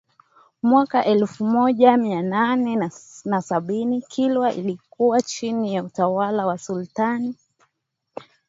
mwaka elfu moja Mia nane na sabini Kilwa ilikuwa chini ya utawala wa sultani